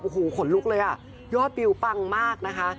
โอ้โหขนลุกเลยอ่ะยอดวิวปังมากนะคะ